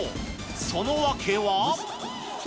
その訳は。